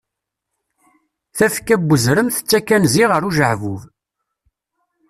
Tafekka n uzrem tettakk anzi ɣer ujeɛbub.